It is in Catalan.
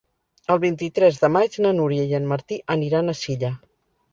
El vint-i-tres de maig na Núria i en Martí aniran a Silla.